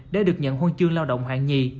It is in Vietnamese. để được nhận huân chương lao động hạng nhì